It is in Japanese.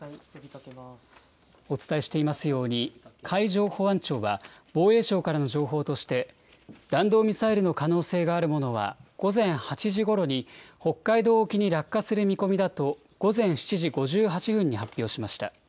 お伝えしていますように、海上保安庁は防衛省からの情報として、弾道ミサイルの可能性があるものは、午前８時ごろに北海道沖に落下する見込みだと午前７時５８分に発表しました。